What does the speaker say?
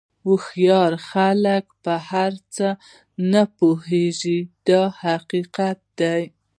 هوښیار خلک په هر څه نه پوهېږي دا حقیقت دی.